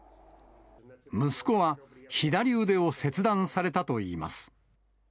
息子は左腕を切断されたといいます。